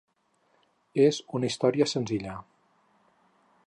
És una història senzilla.